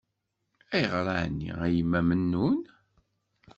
Ayɣer ɛni a Yemma Mennun?